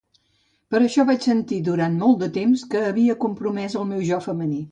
Per això vaig sentir durant molt de temps que havia compromès el meu jo femení.